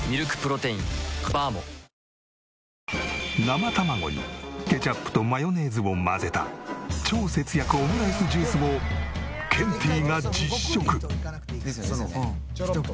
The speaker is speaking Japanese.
生卵にケチャップとマヨネーズを混ぜた超節約オムライスジュースをひと口。